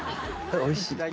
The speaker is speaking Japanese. おいしい。